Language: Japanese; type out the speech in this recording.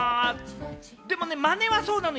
でもまねはそうなの。